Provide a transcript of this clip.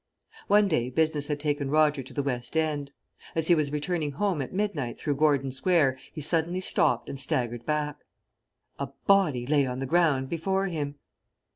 One day business had taken Roger to the West End. As he was returning home at midnight through Gordon Square, he suddenly stopped and staggered back. A body lay on the ground before him!